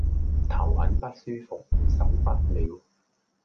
頭很不舒服，受不了